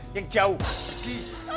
yang jauh pergi